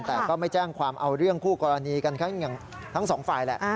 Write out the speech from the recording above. แต่ก็ไม่แจ้งความเอาเรื่องคู่กรณีกันอย่างทั้งสองฝ่ายแหละ